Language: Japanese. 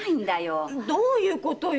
どういうことよ？